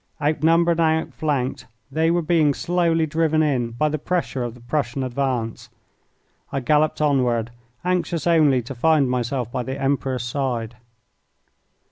Outnumbered and outflanked, they were being slowly driven in by the pressure of the Prussian advance. I galloped onward, anxious only to find myself by the Emperor's side.